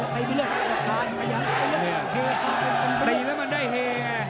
ตีแล้วมันได้เฮ